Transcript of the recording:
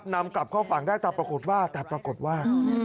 นำกลับเข้าฝั่งได้แต่ปรากฏว่า